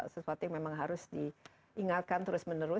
sesuatu yang memang harus diingatkan terus menerus